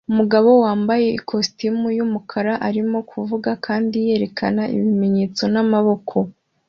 Umugabo wambaye ikositimu y'umukara arimo kuvuga kandi yerekana ibimenyetso n'amaboko